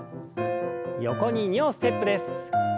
横に２歩ステップです。